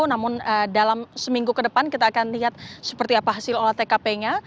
namun dalam seminggu ke depan kita akan lihat seperti apa hasil olah tkp nya